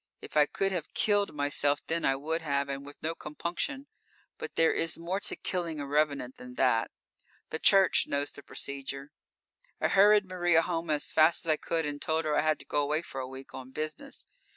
If I could have killed myself then, I would have, and with no compunction. But there is more to killing a revenant than that. The Church knows the procedure. I hurried Maria home as fast as I could and told her I had to go away for a week on business.